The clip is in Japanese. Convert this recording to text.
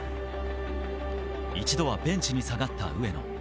１度はベンチに下がった上野。